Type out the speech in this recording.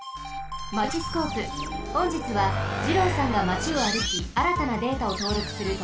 マチスコープほんじつは二朗さんがマチをあるきあらたなデータをとうろくするとくべつへん。